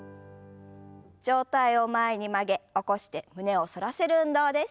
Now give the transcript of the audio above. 上体を前に曲げ起こして胸を反らせる運動です。